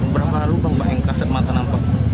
berapa lalu pak yang kasih mata nampak